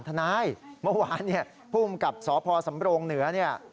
ทนายเมื่อวานเนี่ยภูมิกับสพสำโรงเหนือเนี่ย